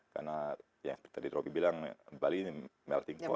karena seperti tadi tobi bilang bali ini melting pot